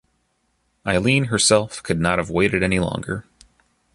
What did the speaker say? Eileen herself could not have waited any longer.